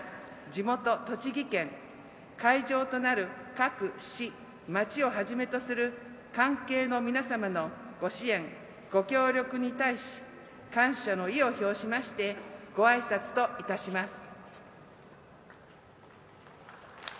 地元栃木県会場となる各市町をはじめとする関係の皆様のご支援・ご協力に対し感謝の意を表しましてご挨拶といたします。